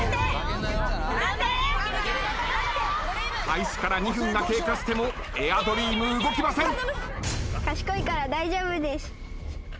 開始から２分が経過してもエア・ドリーム動きません。